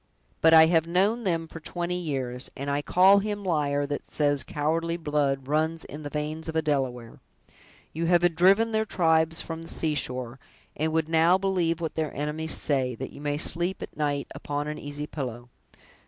But I have known them for twenty years, and I call him liar that says cowardly blood runs in the veins of a Delaware. You have driven their tribes from the seashore, and would now believe what their enemies say, that you may sleep at night upon an easy pillow.